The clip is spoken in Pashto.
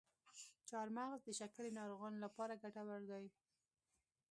چارمغز د شکرې ناروغانو لپاره ګټور دی.